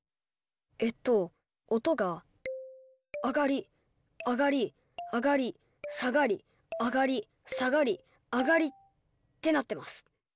えっと音が上がり上がり上がり下がり上がり下がり上がりってなってます。